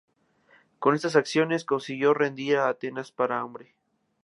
Con estas acciones consiguió rendir a Atenas por hambre.